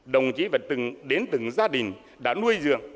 đồng chí vẫn đến từng gia đình đã nuôi dưỡng